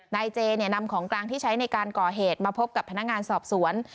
นายเจนำของกลางที่ใช้ในการก่อเหตุมาพบกับพนักงานสอบสวน